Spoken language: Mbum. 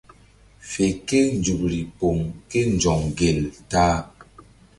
Fe ke nzukri poŋ ké nzɔŋ gel ta-a.